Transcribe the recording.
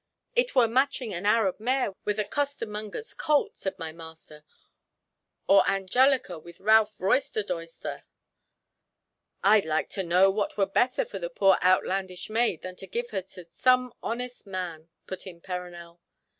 "'It were matching an Arab mare with a costard monger's colt,' said my master, 'or Angelica with Ralph Roisterdoister.'" "I'd like to know what were better for the poor outlandish maid than to give her to some honest man," put in Perronel.